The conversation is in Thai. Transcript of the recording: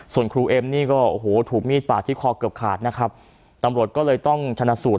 ส่วนครูเอ็มนี่ก็โอ้โหถูกมีดปาดที่คอเกือบขาดนะครับตำรวจก็เลยต้องชนะสูตร